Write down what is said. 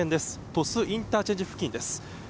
鳥栖インターチェンジ付近です。